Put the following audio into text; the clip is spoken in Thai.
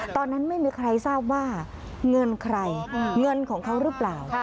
ตอนนั้นไม่มีใครทราบว่าเงินใครเงินของเขาหรือเปล่า